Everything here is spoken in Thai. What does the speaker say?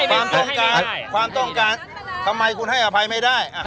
ความต้องการความต้องการทำไมคุณให้อภัยไม่ได้